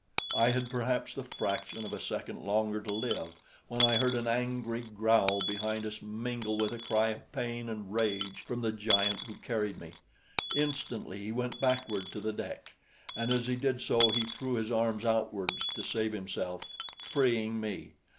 I had perhaps the fraction of a second longer to live when I heard an angry growl behind us mingle with a cry of pain and rage from the giant who carried me. Instantly he went backward to the deck, and as he did so he threw his arms outwards to save himself, freeing me.